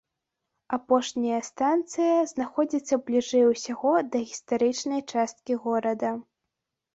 Апошняя станцыя знаходзіцца бліжэй усяго да гістарычнай часткі горада.